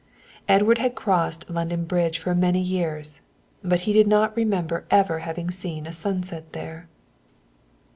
Edward had crossed London Bridge for many years, but he did not remember ever having seen a sunset there.